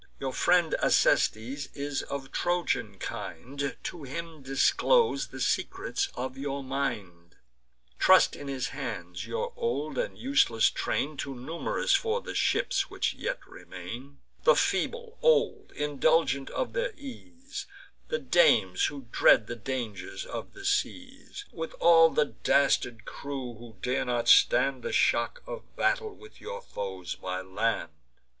Your friend Acestes is of Trojan kind; To him disclose the secrets of your mind: Trust in his hands your old and useless train; Too num'rous for the ships which yet remain: The feeble, old, indulgent of their ease, The dames who dread the dangers of the seas, With all the dastard crew, who dare not stand The shock of battle with your foes by land.